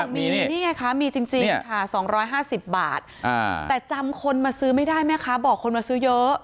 มีนี่ไงคะมีจริงค่ะ๒๕๐บาทแต่จำคนมาซื้อไม่ได้แม่ค้าบอกคนมาซื้อเยอะ